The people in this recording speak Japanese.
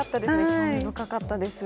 興味深かったです。